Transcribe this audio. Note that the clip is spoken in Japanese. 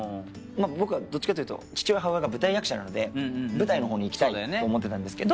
僕はどっちかというと父親母親が舞台役者なので舞台の方にいきたいと思ってたんですけど。